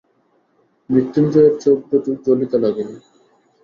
মৃত্যুঞ্জয়ের চোখ দুটা জ্বলিতে লাগিল।